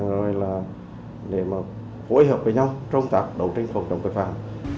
và để phối hợp với nhau trong tạp đấu tranh phòng trọng tội phạm